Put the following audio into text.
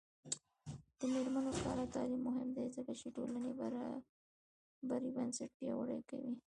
د میرمنو کار او تعلیم مهم دی ځکه چې ټولنې برابرۍ بنسټ پیاوړی کوي.